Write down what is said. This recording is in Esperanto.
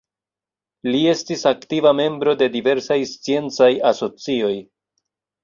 Li estis aktiva membro de diversaj sciencaj asocioj.